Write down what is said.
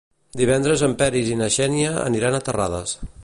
Divendres en Peris i na Xènia aniran a Terrades.